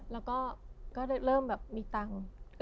แล้วก็เริ่มแบบมีตังค์